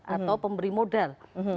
atau pemberi modal